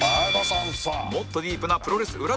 もっとディープなプロレス裏